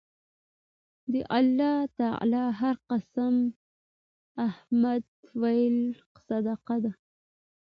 د الله تعالی هر قِسم حمد ويل صدقه ده